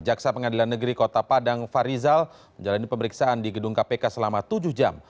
jaksa pengadilan negeri kota padang farizal menjalani pemeriksaan di gedung kpk selama tujuh jam